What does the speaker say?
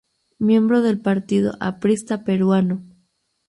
Miembro del Partido Aprista Peruano.